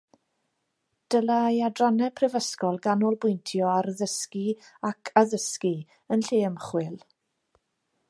Dylai adrannau prifysgol ganolbwyntio ar ddysgu ac addysgu yn lle ymchwil